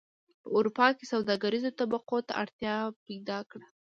په اروپا کې سوداګریزو طبقو اړیکو ته اړتیا پیدا کړه